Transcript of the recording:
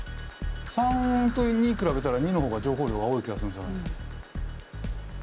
③と②比べたら②の方が情報量が多い気がするんすよね。